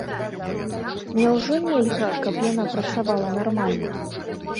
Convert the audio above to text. Няўжо нельга, каб яна працавала нармальна?